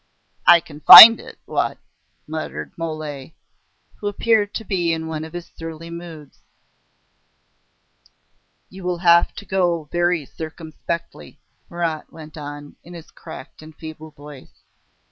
"I can find it, what?" muttered Mole, who appeared to be in one of his surly moods. "You will have to go very circumspectly," Marat went on, in his cracked and feeble voice.